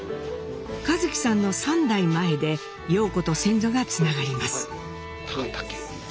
一喜さんの３代前で陽子と先祖がつながります。